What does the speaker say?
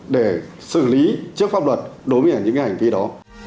để xử lý trước pháp luật đối với những hành vi đó